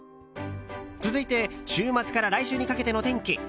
続いて週末から来週にかけての天気。